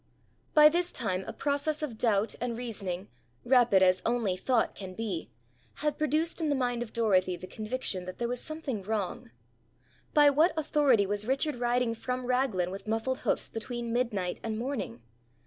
By this time a process of doubt and reasoning, rapid as only thought can be, had produced in the mind of Dorothy the conviction that there was something wrong. By what authority was Richard riding from Raglan with muffled hoofs between midnight and morning?